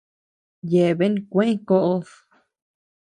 Yeaben kué koʼod.